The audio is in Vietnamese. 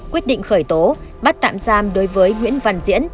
quyết định khởi tố bắt tạm giam đối với nguyễn văn diễn